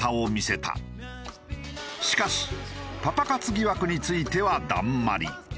しかしパパ活疑惑についてはだんまり。